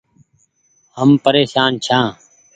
هم پريشان ڇآن ۔